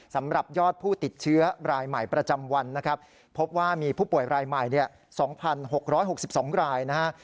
สำหรับยอดผู้ติดเชื้อรายใหม่ประจำวันนะครับพบว่ามีผู้ป่วยรายใหม่๒๖๖๒รายนะฮะ